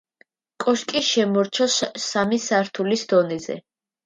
კოშკი შემორჩა სამი სართულის დონეზე.